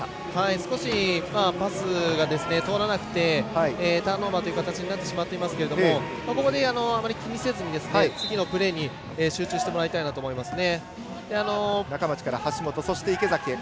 少しパスが通らなくてターンオーバーという形になってしまってますけどあまり気にせずに次のプレーに集中してもらいたいなと思いますね。